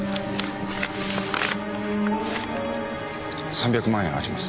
３００万円あります。